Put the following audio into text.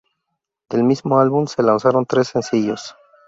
Del mismo álbum se lanzaron tres sencillos.